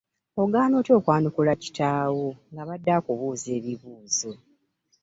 Ogaana otya okwanukula kitaawo ng'abadde akubuuza ebibuuzo?